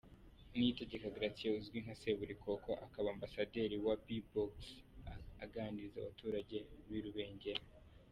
Niyitegeka Gratien uzwi nka Seburikoko akaba ambasaderi wa Bbox aganiriza abaturage b'i Rubengera.